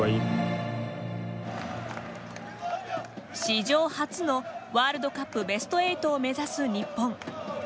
史上初のワールドカップベスト８を目指す日本。